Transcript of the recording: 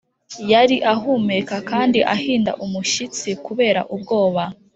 yari ahumeka kandi ahinda umushyitsi kubera ubwoba,